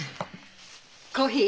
コーヒー？